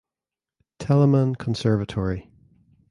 Telemann Conservatory.